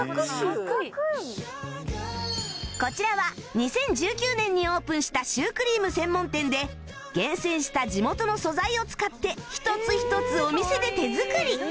こちらは２０１９年にオープンしたシュークリーム専門店で厳選した地元の素材を使って一つ一つお店で手作り